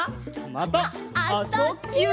また「あ・そ・ぎゅ」